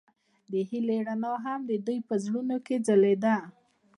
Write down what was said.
د هیلې رڼا هم د دوی په زړونو کې ځلېده.